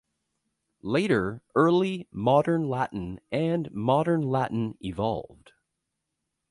Later, Early Modern Latin and Modern Latin evolved.